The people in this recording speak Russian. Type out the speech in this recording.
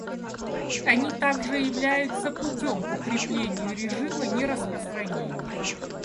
Они также являются путем к укреплению режима нераспространения.